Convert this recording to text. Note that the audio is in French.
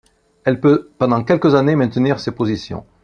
Elle peut pendant quelques années maintenir ses positions.